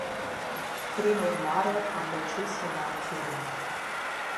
Prin urmare, am decis să ne abținem.